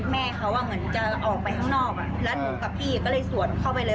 แม่เขาเหมือนจะออกไปข้างนอกแล้วหนูกับพี่ก็เลยสวนเข้าไปเลย